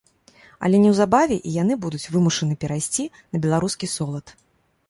Але неўзабаве і яны будуць вымушаны перайсці на беларускі солад.